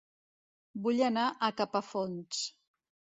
Vull anar a Capafonts